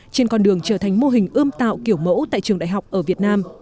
trên con đường trở thành mô hình ươm tạo kiểu mẫu tại trường đại học ở việt nam